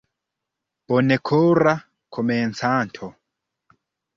Bonkora Komencanto.